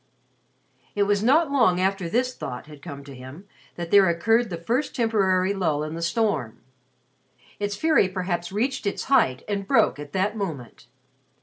It was not long after this thought had come to him that there occurred the first temporary lull in the storm. Its fury perhaps reached its height and broke at that moment.